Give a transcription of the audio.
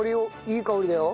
いい香りだよ。